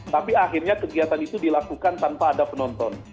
tapi akhirnya kegiatan itu dilakukan tanpa ada penonton